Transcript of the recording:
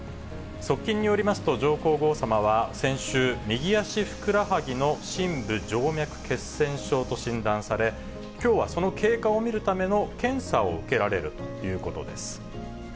側近によりますと、上皇后さまは先週、右足ふくらはぎの深部静脈血栓症と診断され、きょうはその経過を見るための検査を受けられるということです。